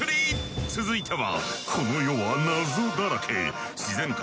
続いては。